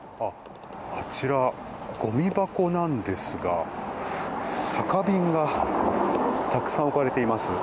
あちらゴミ箱なんですが酒瓶がたくさん置かれています。